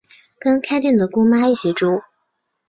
跟开店的姑妈一起住